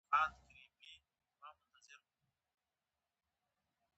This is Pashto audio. تخصیص شوې دي